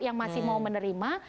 yang masih mau menerima